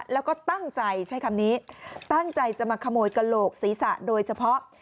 แล้วก็ตั้งใจใช้คำนี้ตั้งใจจะมาขโมยกระโหลกศีรษะโดยเฉพาะ